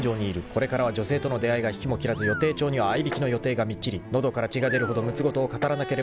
［これからは女性との出会いが引きも切らず予定帳にはあいびきの予定がみっちりのどから血が出るほどむつ言を語らなければならないだろう］